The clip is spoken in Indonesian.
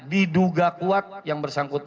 diduga kuat yang bersangkutan